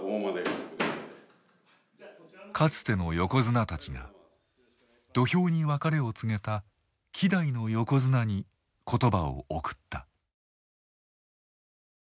かつての横綱たちが土俵に別れを告げた希代の横綱に言葉を贈った。